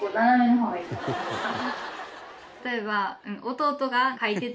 例えば。